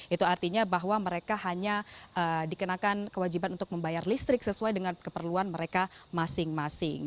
itu artinya bahwa mereka hanya dikenakan kewajiban untuk membayar listrik sesuai dengan keperluan mereka masing masing